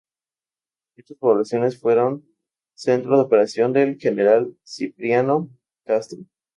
Estas poblaciones fueron centro de operación del General Cipriano Castro.